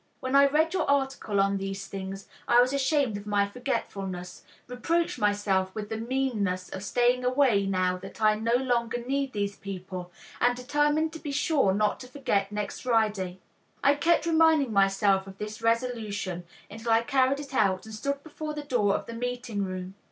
When I read your article on these things, I was ashamed of my forgetfulness, reproached myself with the meanness of staying away now that I no longer need these people and determined to be sure not to forget next Friday. I kept reminding myself of this resolution until I carried it out and stood before the door of the meeting room.